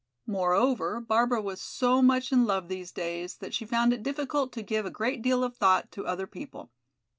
Moreover, Barbara was so much in love these days that she found it difficult to give a great deal of thought to other people.